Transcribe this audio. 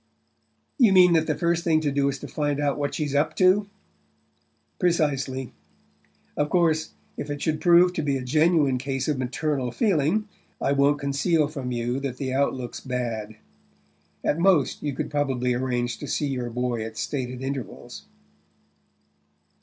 "You mean that the first thing to do is to find out what she's up to?" "Precisely. Of course, if it should prove to be a genuine case of maternal feeling, I won't conceal from you that the outlook's bad. At most, you could probably arrange to see your boy at stated intervals."